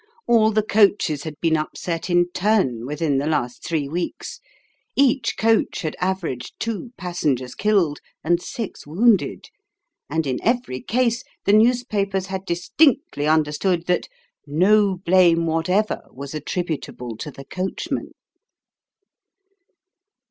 All the coaches had been upset, in turn, within the last three weeks ; each coach had averaged two passengers killed, and six 254 Sketches by Bos. wounded ; and, in every case, the newspapers had distinctly under stood that " no blame whatever was attributable to the coachman."